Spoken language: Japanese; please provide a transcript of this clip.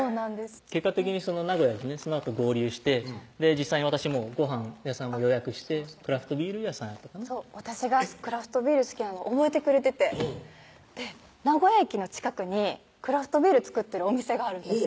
結果的にその名古屋でねそのあと合流して実際に私もごはん屋さんも予約してクラフトビール屋さんやったかなそう私がクラフトビール好きなの覚えてくれてて名古屋駅の近くにクラフトビール造ってるお店があるんです